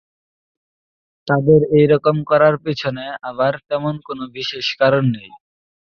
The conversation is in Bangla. তাদের এইরকম করার পিছনে আবার তেমন কোনো বিশেষ কারণ নেই।